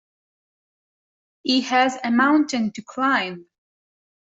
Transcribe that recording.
He has a mountain to climb